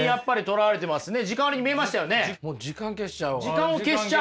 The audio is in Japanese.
時間を消しちゃう。